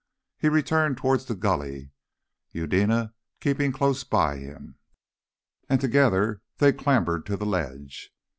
He returned towards the gully, Eudena keeping close by him, and together they clambered to the ledge.